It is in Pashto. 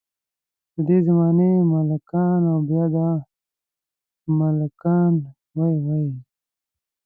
ددې زمانې ملکان او بیا دا ملکان وۍ وۍ.